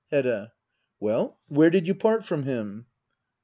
Hedda, Well — where did you part from him